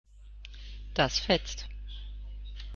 Das fetzt.